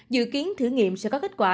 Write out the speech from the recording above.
dự kiến thử nghiệm sẽ có kết quả